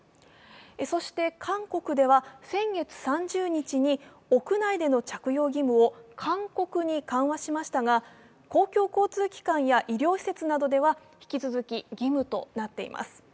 そして韓国では、先月３０日に屋内での着用義務を勧告に緩和しましたが、公共交通機関や医療施設などでは引き続き義務となっています。